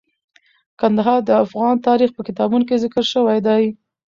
کندهار د افغان تاریخ په کتابونو کې ذکر شوی دي.